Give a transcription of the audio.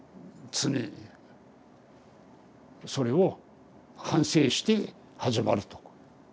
それを反省して始まると。